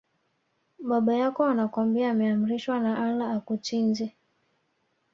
Baba yako anakwambia ameamrishwa na Allah akuchinje